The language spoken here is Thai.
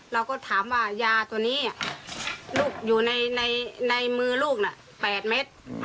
เราก็ถามว่ายาตัวนี้ลูกอยู่ในมือลูกน่ะ๘เม็ด